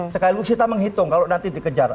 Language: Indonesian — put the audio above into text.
sekali lalu kita menghitung kalau nanti dikejar